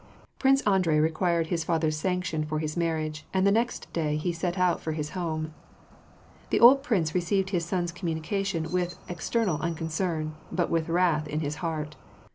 Prikcb Akdret required his father's sanction for his mar riage, and the next day he se^ out for his home. The old prince received his son's communication with ex ternal unconcern, but with wrath in his heart.